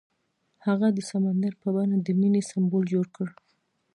هغه د سمندر په بڼه د مینې سمبول جوړ کړ.